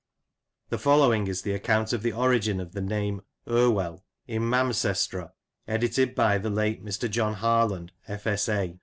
The following is the account of the origin of the name, Irwell, in "Mamecestre," edited by the late Mr. John Harland, F.S.A.